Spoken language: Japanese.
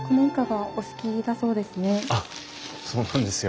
あっそうなんですよ。